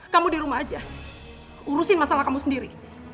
kamu di rumah aja urusin masalah kamu sendiri